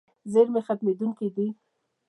زیرمې ختمېدونکې دي.